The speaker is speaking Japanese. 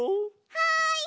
はい！